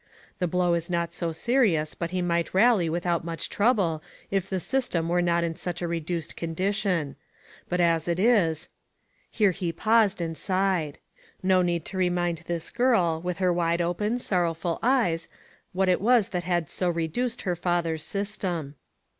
The blow is not so serious but he might rally without much trouble, if the system were not in such a reduced condition; but as it is'* — there he paused, and sighed. No need to remind this girl, with her wide open, sorrowful eyes, what it was that had so reduced her father's system.